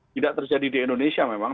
tidak terjadi di indonesia memang